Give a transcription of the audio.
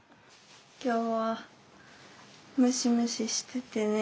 今日はムシムシしててね暑いんだ。